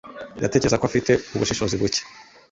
Ndatekereza ko afite ubushishozi buke.